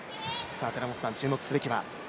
注目すべきは。